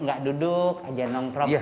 gak duduk aja nongkrong